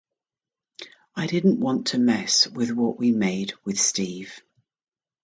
I didn't want to mess with what we made with Steve.